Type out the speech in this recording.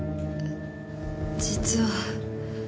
実は。